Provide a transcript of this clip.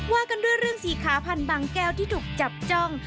ว่ากันด้วยเรื่องสีขาพันธ์บางแก้วที่ถูกจับจ้อง